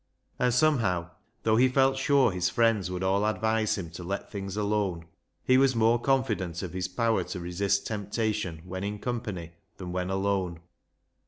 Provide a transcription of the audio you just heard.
And somehow, though he felt sure his friends would all advise him to let things alone, he was more confident of his power to resist temptation when in company than when alone.